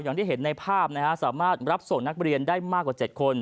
อย่างที่เห็นในภาพนะฮะสามารถรับส่งนักเรียนได้มากกว่า๗คน